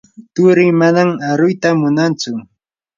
turii manan aruyta munantsu.